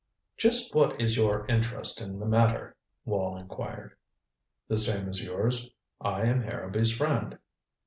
"Just what is your interest in the matter?" Wall inquired. "The same as yours. I am Harrowby's friend.